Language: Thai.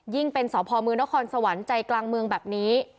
ยิ่งเป็นสอบพอมือนครสวรรค์ใจกลางเมืองแบบนี้